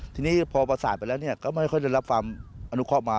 ทีนี้พอบาศาลไปแล้วก็ไม่ชอบรับฟ้าอนุคอปมา